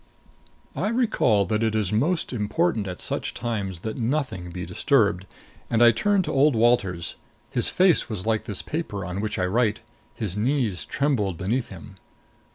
I recalled that it is most important at such times that nothing be disturbed, and I turned to old Walters. His face was like this paper on which I write; his knees trembled beneath him.